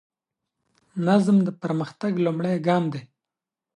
نظم د پرمختګ لومړی ګام دی.